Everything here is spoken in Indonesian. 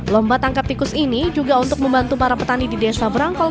lomba tangkap tikus ini juga untuk membantu para petani di desa berangkol